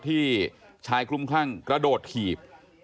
ที่ชายคลุมคลั่งกระโดดถีบ